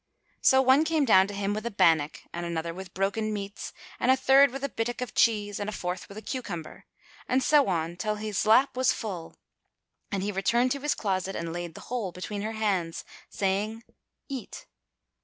So one came down to him with a bannock and another with broken meats and a third with a bittock of cheese and a fourth with a cucumber; and so on till he lap was full and he returned to his closet and laid the whole between her hands, saying, "Eat."